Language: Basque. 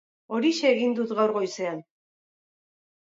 Horixe egin dut gaur goizean.